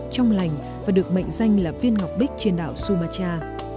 trong lành và được mệnh danh là viên ngọc bích trên đảo sumat